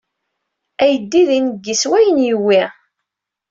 Ayeddid ineggi s wayen yewwi.